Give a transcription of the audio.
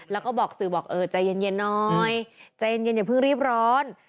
แล้วก็บอกสื่อบอกเออใจเย็นหน่อยใจเย็นอย่าเพิ่งรีบร้อน